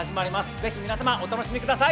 ぜひ皆様、お楽しみください。